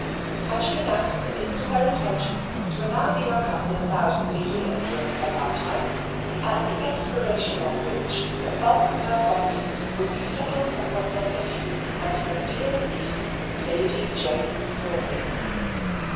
And she announced that it was her intention to allow the young couple a thousand a year during her lifetime, at the expiration of which the bulk of her property would be settled upon her nephew and her dear niece, Lady Jane Crawley.